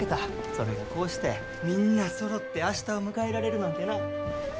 それが、こうしてみんなそろって明日を迎えられるなんてな。